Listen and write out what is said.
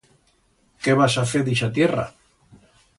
Qué vas a fer d'ixa tierra?